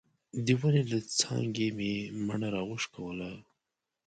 د ونې له څانګې مې مڼه راوشکوله.